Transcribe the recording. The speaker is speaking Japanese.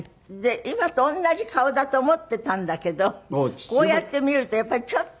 今と同じ顔だと思っていたんだけどこうやって見るとやっぱりちょっと。